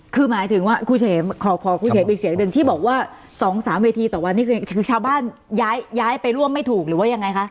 คือหมายถึงว่าครูเฉมขอครูเฉมอีกเสียงหนึ่งที่บอกว่า๒๓เวทีต่อวันนี้คือชาวบ้านย้ายไปร่วมไม่ถูกหรือว่ายังไงคะ